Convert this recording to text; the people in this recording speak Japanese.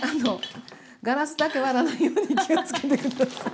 ガラスだけ割らないように気をつけて下さい。